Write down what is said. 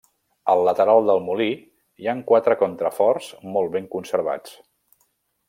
Al lateral del molí hi han quatre contraforts molt ben conservats.